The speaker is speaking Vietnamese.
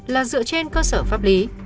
là dựa trên cơ sở pháp lý